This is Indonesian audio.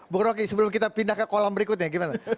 bu rocky sebelum kita pindah ke kolam berikutnya gimana